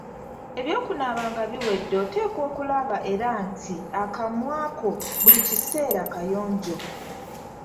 Eby'okunaaba nga biwedde oteekwa okulaba era nti akamwa ko buli kiseera kayonjo.